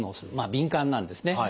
敏感なんですね。